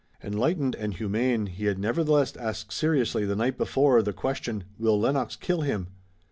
Enlightened and humane, he had nevertheless asked seriously the night before the question: "Will Lennox kill him?"